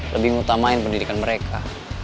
lebih ngutamain pendidikan mereka